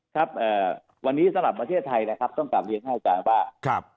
ครับวันนี้สำหรับประเทศไทยนะครับต้องกลับเรียนท่านอาจารย์ว่า